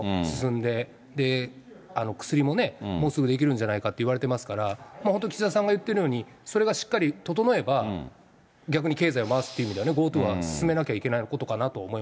で、薬ももうすぐ出来るんじゃないかっていわれてますから、本当に岸田さんが言っているように、それがしっかり整えば、逆に経済を回すって意味では、ＧｏＴｏは進めなきゃいけないことかなと思い